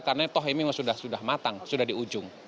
karena toh ini sudah matang sudah di ujung